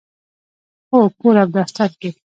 هو، کور او دفتر کې